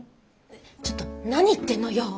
ちょっと何言ってんのよ。